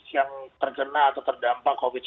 yang terkena atau terdampak covid sembilan belas